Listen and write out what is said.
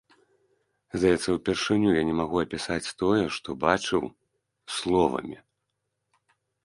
Здаецца, упершыню я не магу апісаць тое, што бачыў, словамі.